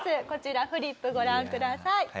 こちらフリップご覧ください。